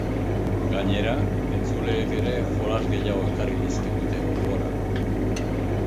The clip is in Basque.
Gainera, entzuleek ere jolas gehiago ekarri dizkigute gogora.